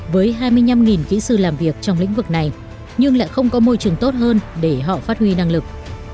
với hai mươi năm kỹ sư làm việc trong lĩnh vực này nhưng lại không có môi trường tốt hơn để họ phát huy năng lực